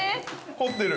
凝ってる。